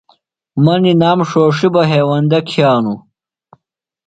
مہ نِنام ݜوݜیۡ بہ ہیوندہ کِھیانوۡ۔